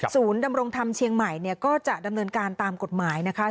ดำรงธรรมเชียงใหม่เนี่ยก็จะดำเนินการตามกฎหมายนะคะ